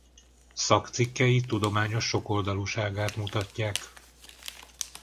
Szakcikkei tudományos sokoldalúságát mutatják.